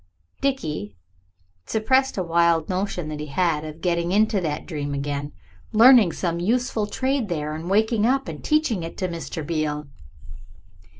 Dickie suppressed a wild notion he had had of getting into that dream again, learning some useful trade there, waking up and teaching it to Mr. Beale.